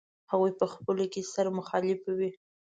هغوی په خپلو کې سره مخالفې وې.